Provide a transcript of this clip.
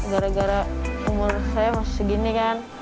gara gara umur saya masih segini kan